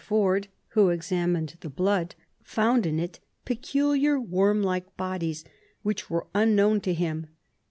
Forde, who examined his blood, found in it pecuHar worm like bodies, which were unknown to him.